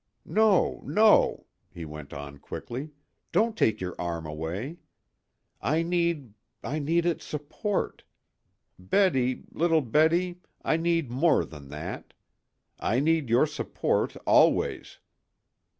"No, no," he went on quickly. "Don't take your arm away. I need I need its support. Betty little Betty I need more than that. I need your support always.